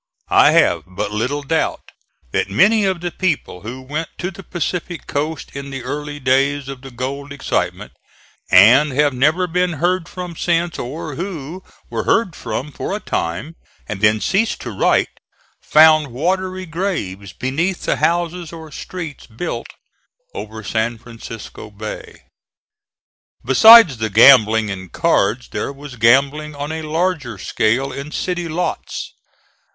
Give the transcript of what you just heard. I have but little doubt that many of the people who went to the Pacific coast in the early days of the gold excitement, and have never been heard from since, or who were heard from for a time and then ceased to write, found watery graves beneath the houses or streets built over San Francisco Bay. Besides the gambling in cards there was gambling on a larger scale in city lots.